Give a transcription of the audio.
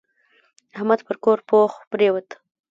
احمد پر کور پوخ پرېوت.